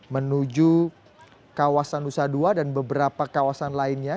menuju kawasan nusa dua dan beberapa kawasan lainnya